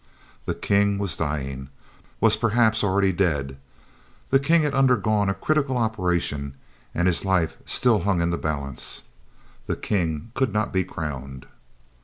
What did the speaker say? The King was dying, was perhaps already dead. The King had undergone a critical operation and his life still hung in the balance. The King could not be crowned.